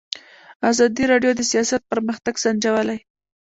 ازادي راډیو د سیاست پرمختګ سنجولی.